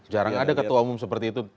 jarang ada ketua umum seperti itu